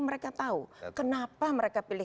mereka tahu kenapa mereka pilih